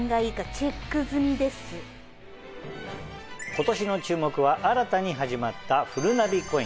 今年の注目は新たに始まった「ふるなびコイン」。